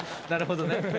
なるほどね。